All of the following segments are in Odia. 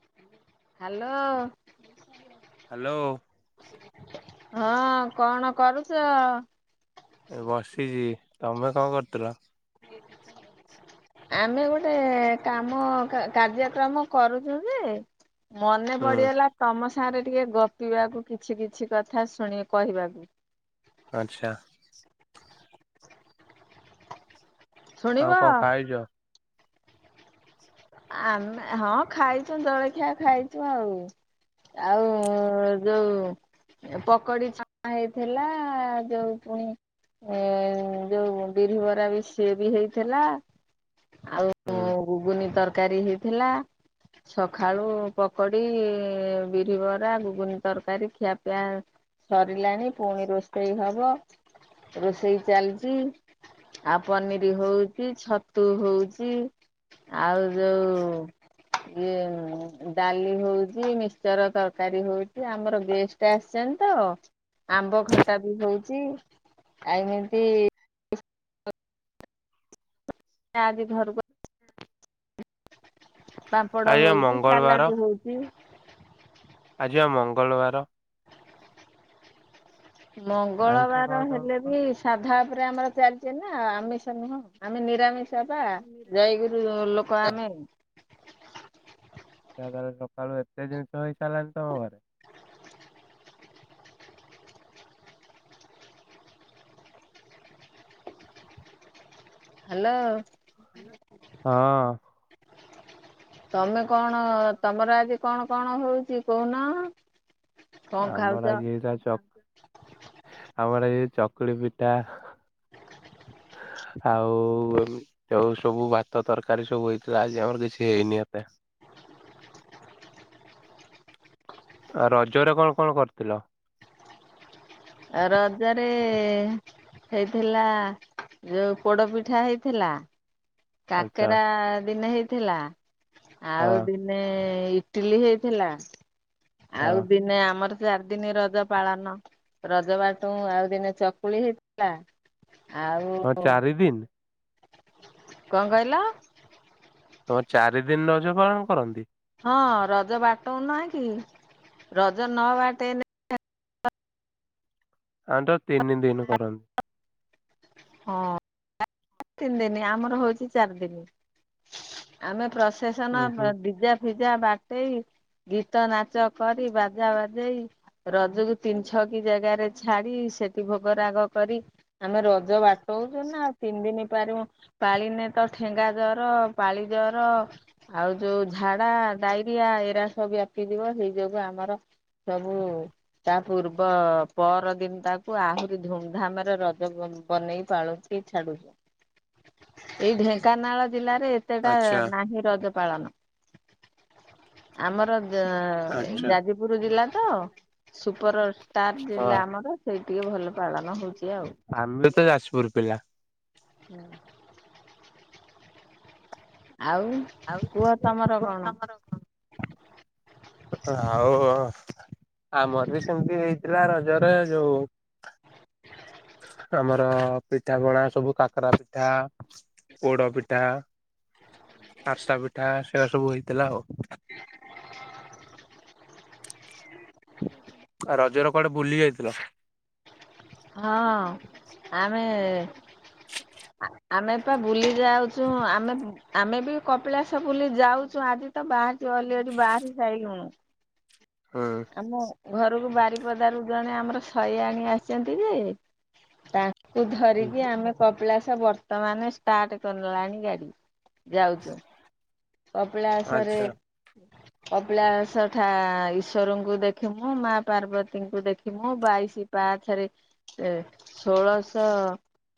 ହ୍ୟାଲୋ। ହ୍ୟାଲୋ। ହଁ କଣ କରୁଛ? ଏ ବସିଛି ତମେ କଣ କରୁଥିଲ? [unintelligible] ଆମେ ଗୋଟେ କାମ କା -କାର୍ଯ୍ୟକ୍ରମ କରୁଚୁ ଯେ ମନେ ହୁଁ ପଡିଗଲା ତମ ସାଙ୍ଗରେ ଟିକେ ଗପିବାକୁ, କିଛି କିଛି କଥା ଶୁଣି କହିବାକୁ। ଆଚ୍ଛା। ଶୁଣିବ ଆଉ କଣ ଖାଇଚ? ଆମେ ହଁ ଖାଇଛୁ ଜଳଖିଆ ଖାଇଛୁ ଆଉ। ଆଉ ଯୋଉ ପକଡି ଛାଣା ହେଇଥିଲା। ଯୋଉ ପୁଣି ଏ ଯୋଉ ବିରିିବରା ବି ସିଏ ବି ହେଇଥିଲା। ଆଉ ହୁଁ ଗୁଗୁନି ତରକାରୀ ହେଇଥିଲା। ସଖାଳୁ ପକଡି, ବିରିବରା, ଗୁଗୁନିତରକାରୀ ଖିଆପିଆ ସରିଲାଣି। ପୁଣି ରୋଷେଇ ହବ। ରୋଷେଇ ଚାଲିଛି। ଆଉ ପନିର ହଉଛି। ଛତୁ ହଉଛି। ଆଉ ଯୋଉ ଇଏ ଡାଲି ହଉଛି, ମିଶ୍ଚର ତରକାରୀ ହଉଛି। ଆମର ଗେଷ୍ଟ ଷ୍ଟେ ଆସିଛନ୍ତି ତ, ଆମ୍ବ ଖଟା ବି ହଉଛି। ଆଉ ଏନ୍ତି ଆଜି ଘରକୁ ପାମ୍ପଡ ଆଜି ବା ହଉଛି ମଙ୍ଗଳବାର ସାଲାଟୁ ହଉ ହୁଁ। ଆଜି ବା ମଙ୍ଗଳବାର। ଆଇଁଷ ମଙ୍ଗଳବାର ଖାଅ ତମେ ହେଲେ ବି ସାଧା ଉପରେ ଆମର ଚାଲିଚି ନା। ଆମିଷ ନୁହଁ ଆମେ ନିରାମିଷ। ପା, ଜୟଗୁରୁ ଲୋକ ଆମେ। ତାହାଲେ ସକାଳୁ ଏତେ ଜିନିଷ ହେଇସାରିଲାଣି ତମ ଘରେ। ହ୍ୟାଲୋ। ହଁ। ତମେ କଣ, ତମର ଆଜି କଣ କଣ ହଉଛି କହୁନ? କଣ ଖାଉଛ ଆମର ଆଜି ହେଇଥିଲା ଚକ ଆମର ଆଜି ଚକୁଳି ପିଠା। [inaudible] ଆଉ ଯୋଉ ସବୁ ଭାତ ତରକାରୀ ସବୁ ହେଇଥିଲା ଆଜି ଆମର କିଛି ହେଇନି ଏତେ। ରଜରେ କଣ କଣ କରିଥିଲ? ଆ ରଜରେ ହେଇଥିଲା ଯୋଉ ପୋଡ଼ ପିଠା ହେଇଥିଲା। ଆଚ୍ଛା କାକେରା ଦିନେ ହେଇଥିଲା। ହଁ ଆଉ ଦିନେ ଦିନେ ଇଟିଲି ହେଇଥିଲା। ହଁ ଆଉ ଦିନେ ଆମର ଚାରି ଦିନି ରଜ ପାଳନ। ରଜ ବା ତୁ ଆଉ ଦିନେ ଚକୁଳି ହେଇଥିଲା। ଆଉ ହଁ ଚାରି ଦିନ। କଁ କହିଲ? ତମର ଚାରି ଦିନ ରଜ ପାଳନ କରନ୍ତି? ହଁ ରଜ ବାଟଉନାଁ କି? ରଜ ନ ବାଟେଇଲେ ଆମ ତ ତିନି ଦିନି କରନ୍ତି। ହଁ। ତିନି ଦିନି। ଆମର ହଉଛି ଚାରି ଦିନି। ଆମେ ଉଁ ପ୍ରଶେସନ ହୁଁ। ଡିଜା ଭିଜା ବାଟେଇ ଗୀତ, ନାଚ କରି ବାଜା ବାଜେଇ ରଜକୁ ତିନି ଛକି ଜାଗାରେ ଛାଡି, ସେଠି ଭୋଗ ରାଗ କରି ଆମ ରଜ ବାଟୋଉଚୁ ନା ତିନି ଦିନି ପାରୁ ପାଳିନେତ ଠେଙ୍ଗା ଜର ପାଳି ଜର ଆଉ ଯୋଉ ଝାଡା ଡାଇରିଆ ଏରା ସ ବ୍ୟାପିଯିବ ସେଇ ଯୋଗୁ ଆମର ସବୁ ତା ପୂର୍ବ ପରଦିନ ତାକୁ ଆହୁରି ଧୁମଧାମରେ ରଜ ବବନେଇ ପାଳୁ। ଟିଏ ଛାଡୁଚୁ ଏଇ ଢେଙ୍କାନାଳ ଜିଲ୍ଲାରେ ଏତେଟା ଆଚ୍ଛା ନାହିଁ ରଜ ପାଳନ ଆମର ଯା ଏ ଆଚ୍ଛା। ଯାଜ ପୁରୁ ଜିଲ୍ଲା ତ ସୁପରଷ୍ଟାର ହଁ ଜିଲ୍ଲା ଆମର। ସେଇ ଟିକେ ଭଲ ପାଳନ ହଉଚି ଆଉ। ଆମେ ତ ଯାଜପୁର ପିଲା। ହୁଁ। ଆଉ ଆଉ କୁହ ତମର ପୁଅ କଣ? ତମର କଣ? ଆଉ ଆମର ବି ସେମିତି ହେଇଥିଲା ରଜରେ ଯୋଉ ଆମର ପିଠା ପଣା ସବୁ କାକରା ପିଠା ପୋଡ ପିଠା, ଆରିସା ପିଠା ସେଇରା ସବୁ ହେଇଥିଲା ଆଉ। ଆ ରଜରେ କୁଆଡେ ବୁଲି ଯାଇଥିଲ? ହଁ ଆମେ ଆ ଆମେ ପା ବୁଲି ଯାଉଚୁ ଆମେ ଆମେ ବି କପିଳାସ ବୁଲି ଯାଉଚୁ ଆଜି ତ ବାହାରିଚୁ ଅଲେଡି ବାହାରି ସାଇଲୁଣୁ। ହୁଁ ଆମ ଘରକୁ ବାରିପଦାରୁ ଜଣେ ଆମର ଶଇଆଣି ଆସିଚନ୍ତି ଯେ ତା କୁ ହୁଁ ଧରିକି ଆମେ କପିଳାସ ବର୍ତ୍ତମାନେ ଷ୍ଟାର୍ଟ କଲାଣି ଗାଡି। ଯାଉଚୁ କପିଳାସ ରେ ଆଚ୍ଛା। କପିଳାସ ଠା ଈଶ୍ଵରଙ୍କୁ ଦେଖିମୁ ମା ପାର୍ବତୀଙ୍କୁ ଦେଖିମୁ ବାଇଶୀ ପାକ୍ଷ୍ୟାରେ ଏ ଷୋଳଶ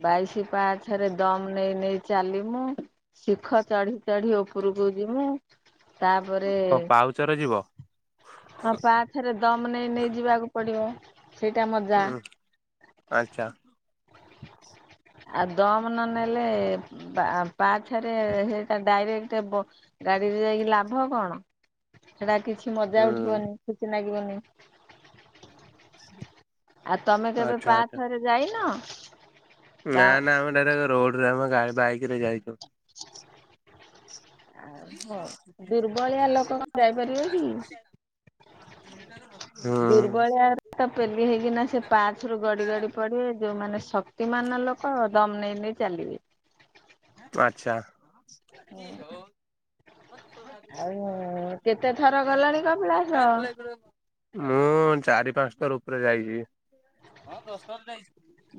ବାଇଶି ପାଆଛ ରେ ଦମ୍ ନେଇ ନେଇ ଚାଲିମୁୁ ଶିଖ ଚଢି ଚଢି ଓ ଉପୁରୁକୁ ଯିମୁ ତାପରେ କଣ ପାଉଚରେ ଯିବ ହଁ ପାଆଛରେ ଦମ୍ ନେଇ ନେଇ ଯିବାକୁ ପଡିବ ସେଇଟା ମଜା। ଉଁ ଆଚ୍ଛା। ଆ ଦମ୍ ନ ନେଲେ ଉଁ ବା ପାଆଛରେ ହେଇଟା ଡାଇରେକ୍ଟ ବ ଗାରିରେ ଯାଇକି ଲାଭ କଣ ସେରା କିଛି ମଜା ହୁଁ ଉଠିବନି ଖୁସି ଲାଗିବନି ଆ ତମେ କେବେ ଆଚ୍ଛା ଆଚ୍ଛା। ପାଆଛରେ ଯାଇନ? ବା ନା ନା ଆମେ ଡାଇରେକ୍ ରୋଡରେ ଆମେ ଗା ବାଇକ ରେ ଯାଇଚୁ। ଆଉ ହଉ ଦୁର୍ବଳିଆ ଲୋକ କଁ ଯାଇପାରିବେ କି ହୁଁ ଦୁର୍ବଳିଆ ତ ପେଲି ହେଇକିନା ସେ ପାଆଛରୁୁ ଗଡି ଗଡି ପଡିବେ ଯୋଉମାନେ ସ ତିମାନ ଲୋକ ଦମ୍ ନେଇ ନେଇ ଚାଲିବେ। ହେଁ ଆଚ୍ଛା କି ହୋ ଓ ଆଜି କାଲି ଛୁଆ [unintelligible] କେ ଥର ଗଲାଣି କପିଳାସ? ଲୋ ଚାରି ପାଞ୍ଚ ଥର ଉପରେ ଯାଇଚି।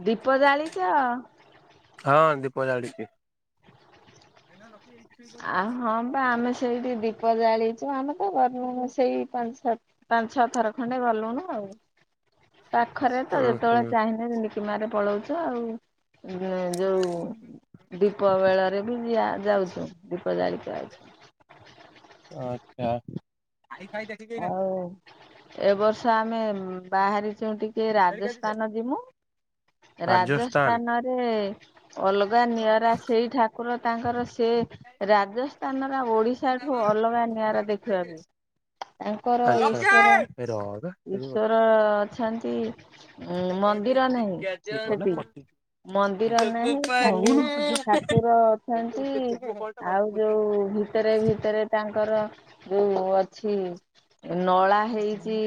ଦୀପ ଜାଳିଚ? ହଁ ଦୀପ ଜାଳିଚି। ଏଇନା ଲକି ଆଇଚି ଆ ହଁ ପା ଆମେ ସେଇଟି ଦି ଦୀପ ଜାଳିଛୁ ଆମେ ତ ଗଲୁଣୁ ସେଇ ପାଞ୍ଚ ଛ ପାଞ୍ଚ ଛଅ ଥର ଖଣ୍ଡେ ଗଲୁଣୁ ଆଉ ପାଖରେ ତ ଉଁ ଯେତେବେଳେ ହୁଁ। ଚାହିଁଲେ ଯେିକି ମାରେ ପଳଉଚୁ ଆଉ ମୁଣ୍ଡରେ ଯୋଉ ଦୀପ ବେଳରେ ବି ଦିଆ ଯାଉଛି ଦୀପ ଜାଳିକି ଆଇ ଆଚ୍ଛା ଖାଇ ଖାଇ ଦେଖିକି ନାଚ୍ ଏବର୍ଷ ଆମେ ବାହାରିଛୁ ଟିକେ ରାଜସ୍ଥାନ ଜିବୁଁ ରାଜସ୍ଥାନ ରାଜସ୍ଥାନରେ ଅଲଗା ନିଆରା ସେଇ ଠାକୁର ତାଙ୍କର ସେ ରାଜସ୍ଥାନର ଓଡିଶା ଠୁ ଅଲଗା ନିଆଁରା ଦେଖିବା ପାଇଁ। ତାଙ୍କର ଆଚ୍ଛା ରହବେ ଈଶ୍ୱର, ଏଠି ଗୋଟେ ଈଶ୍ଵର ଅଛନ୍ତି ଉଁ ମନ୍ଦିର ନାହିଁ ସେଠି ମନ୍ଦିର ନାହିଁ ଖାଲି [unintelligible] ଠାକୁର [unintelligible] ଭିତେରେ ଭିତେରେ ତାଙ୍କର ଯୋଉ ଅଛି ନଳା ହେଇ ଚି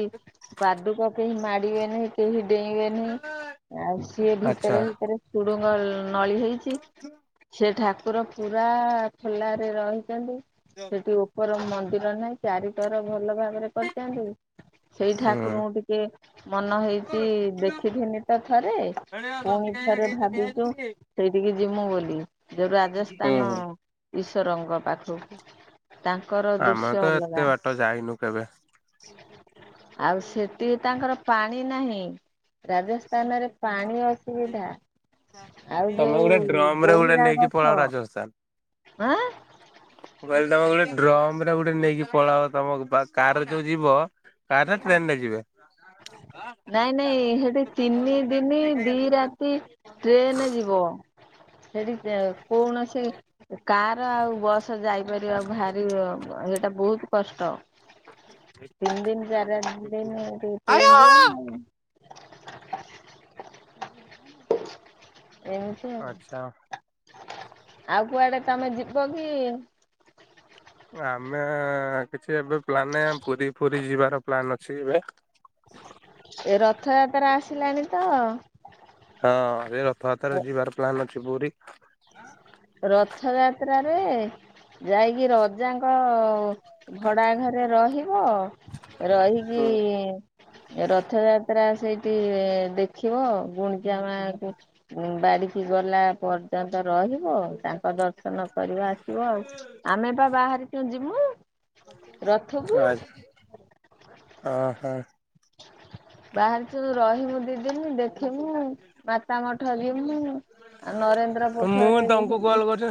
ପାଦୁକ କେହି ମାଡିବେନି କେହି ଡେଇଁବେନି ଆଉ ସିଏ ଆଚ୍ଛା ଭିତରେ ଭିତରେ ସୁଡୁଙ୍ଗ ନଳି ହେଇଛି ସେ ଠାକୁର ପୁରା ଖୋଲାରେ ରହିଛନ୍ତି। [unintelligible] ସେଠି ଉପର ମନ୍ଦିର ନାହିଁ ଚାରିଥର ଭଲ ଭାବରେ କରିଥାନ୍ତି ସେଇ ହୁଁ ଠାକୁରଙ୍କୁ ଟିକେ ମନ ହେଇଛି ଦେଖିଥିନି ଆଉ ଥରେ, ପୁଣି ଥରେ ଭାବିଛୁ ସେଇଠିକି ଯିବୁଁ ବୋଲି ଯୋଉ ରାଜସ୍ଥାନ ହୁଁ। ଈଶ୍ୱରଙ୍କ ପାଖକୁ। ତାଙ୍କର ଆମର ଦୃଶ୍ୟ ତ ଏତେ ଅଲଗା। ବାଟ ଯାଇନୁ କେବେ ଆଉ ସେଠି ତାଙ୍କର ପାଣି ନାହିଁ ରାଜସ୍ ସ୍ଥାନରେ ପାଣି ଅସୁବିଧା ଆଉ ତମେ ଯୋଉ ଗୋଟେ ଡ୍ରମ ରେ ଗୋଟେ ବୋହିରା ନେଇକି ପଳାଅ ଗଛ ରାଜସ୍ଥାନ। ଆଁ ମୁଁ କହିଲି ତମେ ଗୋଟେ ଡ୍ରମ ରେ ଗୋଟେ ନେଇକି ପଳାଅ ତମକୁ ବା କାରରେ ଯୋଉ ଯିବ କାର୍ ନା ଟ୍ରେନ ରେ ଯିବେ? ନାଇଁ ନାଇଁ ସେଠି ତିନି ଦିନି ଦି ରାତି ଟ୍ରେନେ ଯିବ ସେଠି କୌଣସି କାର ଆଉ ବସ୍ ଏଠୁ ଯାଇପାରିବା ଭାରି ଏଇଟା ବହୁତ କଷ୍ଟ। ତିନି ଦିନ ଚାରି ଦିନ ଟ୍ରେନ ଯିବା ଆଉ ଏମ ଆଚ୍ଛା ଆଉ କୁଆଡେ ତମେ ଯିବ କି ଆମେ କିଛି ଏବେ ପ୍ଲାନ ନାହିଁ ଆମେ ପୁରୀ ଫୁରୀ ଯିବାର ପ୍ଲାନ୍ ଅଛି ଏବେ। ଏ ରଥଯାତ୍ରା ଆସିଲାଣିି ତଅ ହଁ ଏ ରଥଯାତ୍ରାରେ ଯିବାର ପ୍ଲାନ୍ ଅଛି ପୁରୀ। [inaudible] ରଥଯାତ୍ରାରେ ଯାଇକି ରଜାଙ୍କ ଭଡା ଘରେ ରହିବ ରହିକି ରଥଯାତ୍ରା ସେଇଠି ଦେଖିବ ଗୁଣ୍ଡିଚା ମାଙ୍କୁ ଉଁ ବାରିକି ଗଲା ପର୍ଯ୍ୟନ୍ତ ରହିବ ତାଙ୍କ ଦର୍ଶନ କରିବ ଆସିବ ଆଉ ଆମେ ବା ବାହାରିଚୁ ଯିବୁଁ ଆଜ୍ଞା ହଁ ହଁ ବାହାରିଛୁ ରହି ବୁ ଦିଦି ନି ଦେଖିମୁ ମାତା ମଠ ଯିମୁ। ଆଉନରେନ୍ଦ୍ର ମୁଁ ପୋଖରୀରେ। ତମକୁ କଲ [unintelligible] କରିଛି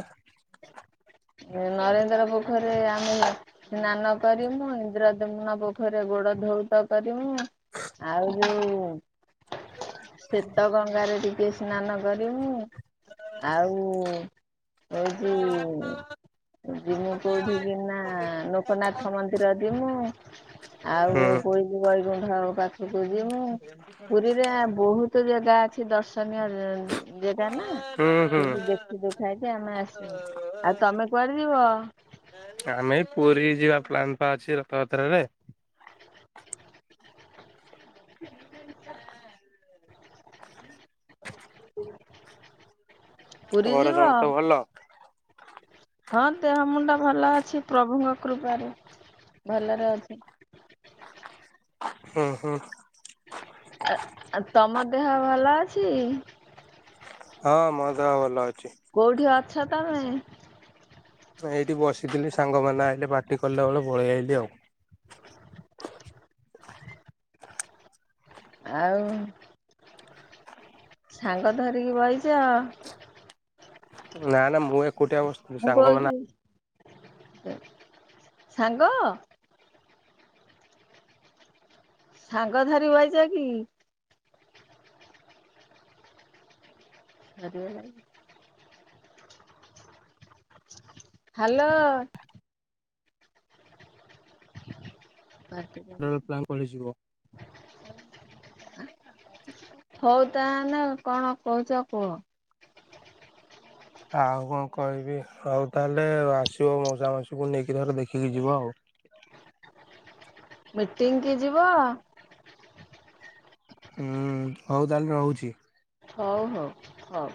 ନରେନ୍ଦ୍ର ପୋଖରରେ ଆମେ। ସ୍ନାନ କରି ମୁଁ ଇନ୍ଦ୍ରାଦେନପୋଖରୀରିରେ ଗୋଡ ଧଉ ତ କରିବୁ ଆଉ ଯୋଉ ଶେତ ଗଙ୍ଗାରେ ଟିକେ ସ୍ନାନ କରି ମୁଁ। ଆଉ ହେଉଛି ଯିମୁ କୋଉଠିିକିନା ଲୋକନାଥ ମନ୍ଦିର ଯିମୁ। ଆଉ ହୁଁ। କୋଇଲି ବୈକୁଠ। ପାଖକୁ ଯିମୁଁ ପୁରୀରେ ବହୁତ ଜାଗା ଅଛି ଦର୍ଶନୀୟ ଜେଗା ନା ହୁଁ ହୁଁ ସେଠି ଦେଖି ଦୁଖାକି ଆମେ ଆସିବୁ ଆଉ ତମେ କୁଆଡେ ଯିବ? ଆମେ ପୁରୀ ଯିବା ପ୍ଲାନ୍ ପା ଅଛି ରଥଯାତ୍ରାରେ [inaudible] [inaudible] [inaudible] ଘରେ ଯିବ? ସମସ୍ତେ ଭଲ। ହଁ ଦେହ ମୁଣ୍ଡା ଭଲ ଅଛି ପ୍ରଭୁଙ୍କ କୃପାରୁ ଭଲରେ ଅଛି। ହୁଁ ହୁଁ। ତମ ଦେହ ଭଲ ଅଛି? ହଁ ମୋ ଦେହ ଭଲ ଅଛି। କୋଉଠି ଅଛ ତମେ? ଏଇଠି ବସିଥିଲି ସାଙ୍ଗମାନେ ଆଇଲେ ପାଟି କଲା ବେଳେ ପଳେଇଆଇଲି ଆଉ। ଆଉ? ସାଙ୍ଗ ଧରିକି ବଇଚ। ନା ନା ମୁଁ ଏକୁଟଆ ବସିଚି। ମୁଁ କହୁଚି ସାଙ୍ଗ। ସାଙ୍ଗ ଧରି ବଇଚ କି? [unintelligible] ହ୍ୟାଲୋ। [inaudible] [unintelligible] ହଉ ତା ହେଲେ କଣ କହୁଛ କୁହ। ଆଉ କଣ କହିବି ହଉ ତା ହେଲେ ଆସିବ ମଉସା ମାଉସୀ କୁ ନେଇକି ଥରେ ଦେଖିକି ଯିବ। ମିଟିଙ୍ଗି କି ଯିବ? ହୁଁ। ହଉ ତାହେଲେ ରହୁଛି। ହଉ ହଉ। ହଉ।